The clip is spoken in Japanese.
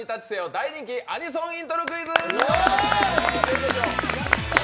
大人気アニメソングイントロクイズ！